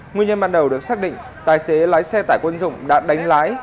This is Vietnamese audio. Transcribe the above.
nguyên nhân ban đầu được xác định tài xế lái xe tải quân dụng đã đánh lái